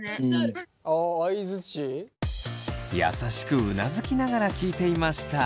優しくうなずきながら聞いていました。